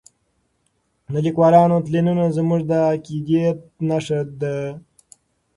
د لیکوالو تلینونه زموږ د عقیدت نښه ده.